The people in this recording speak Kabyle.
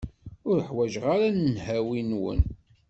Ur ḥwaǧeɣ ara nnhawi-nwen.